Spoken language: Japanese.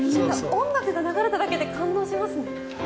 音楽が流れただけで感動しますね。